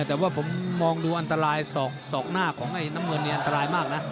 แต่ว่าผมมองดูอันตรายศอกหน้าของไอ้น้ำเงินนี่อันตรายมากนะ